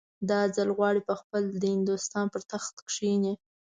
دا ځل غواړي پخپله د هندوستان پر تخت کښېني.